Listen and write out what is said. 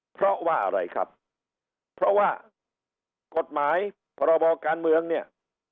เพราะว่าอะไรครับเพราะว่ากฎหมายพรบการเมืองเนี่ย